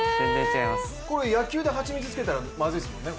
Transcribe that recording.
これは野球ではちみつをつけたらまずいですもんね？